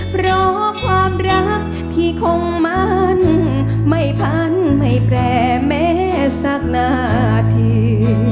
เพราะความรักที่คงมั่นไม่พันไม่แปรแม้สักนาที